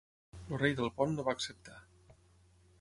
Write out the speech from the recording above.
El rei del Pont no va acceptar.